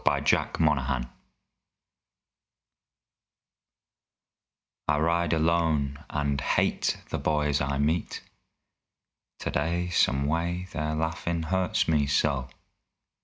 THE LOST PARDNER I ride alone and hate the boys I meet. Today, some way, their laughin' hurts me so.